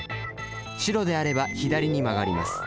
白であれば左に曲がります。